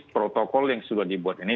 protokol yang sudah dibuat ini